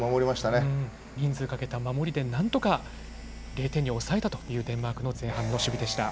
人数をかけた守りで何とか０点に抑えたというデンマークの前半の守備でした。